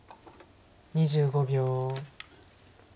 ２５秒。